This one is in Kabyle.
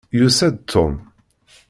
Yusa-d Tom.